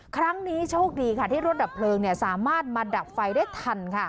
ครั้งนี้โชคดีค่ะที่รถดับเพลิงสามารถมาดับไฟได้ทัน